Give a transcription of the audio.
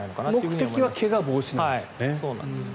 目的は怪我防止なんですよね。